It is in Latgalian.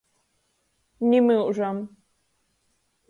Ni myužam!